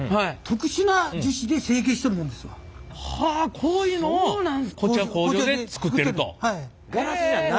こういうのをこちらの工場で作ってると。